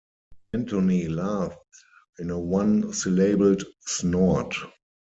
Anthony laughed in a one-syllabled snort.